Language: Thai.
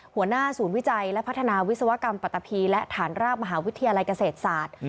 หัวหน้าศูนย์วิจัยและพัฒนาวิศวกรรมปัตตะพีและฐานราบมหาวิทยาลัยเกษตรศาสตร์